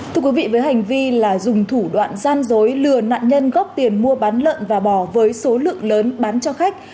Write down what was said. thưa quý vị với hành vi là dùng thủ đoạn gian dối lừa nạn nhân góp tiền mua bán lợn và bò với số lượng lớn bán cho khách